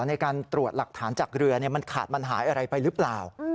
ในการตรวจหลักฐานจากเรือมันขาดมันหายอะไรไปหรือเปล่า